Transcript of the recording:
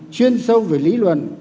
chuyên sâu về lý luận